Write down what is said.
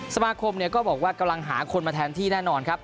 สมาคมก็บอกว่ากำลังหาคนมาแทนที่แน่นอนครับ